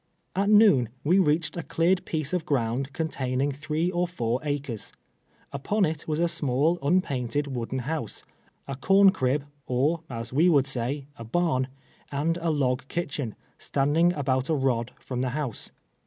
At noon we reached a cleared piece of ground con taining three or four acres. Upon it was a small, un painted, wooden house, a corn crib, or, as we would say, a barn, and a log kitchen, standing about a rod from the house.